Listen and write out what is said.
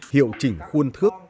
hiệu chỉnh khuôn thước